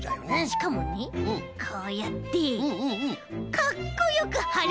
しかもねこうやってかっこよくはれるんだ！